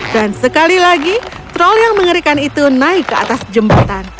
dan sekali lagi troll yang mengerikan itu naik ke atas jembatan